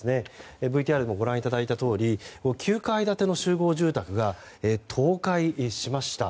ＶＴＲでもご覧いただいたとおり９階建ての集合住宅が倒壊しました。